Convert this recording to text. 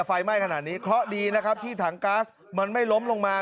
ไฟไหม้ขนาดนี้เคราะห์ดีนะครับที่ถังก๊าซมันไม่ล้มลงมา